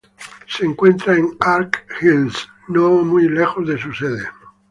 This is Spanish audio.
Se encuentra en Ark Hills, no muy lejos de su sede.